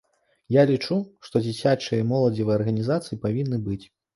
Я лічу, што дзіцячыя і моладзевыя арганізацыі павінны быць.